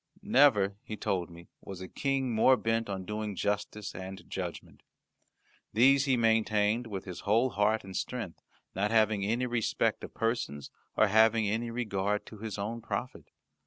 Never, he told me, was a King more bent on doing justice and judgment. These he maintained with his whole heart and strength, not having any respect of persons, or having regard to his own profit.